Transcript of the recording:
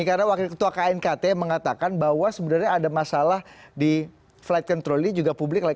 karena wakil ketua knkt mengatakan bahwa sebenarnya ada masalah di flight control juga publik